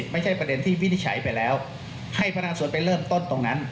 ไม่ใช่ประเด็นที่วินิจฉัยไปแล้วให้พนักส่วนไปเริ่มต้นตรงนั้น